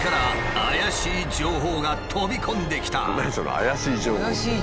「怪しい情報」。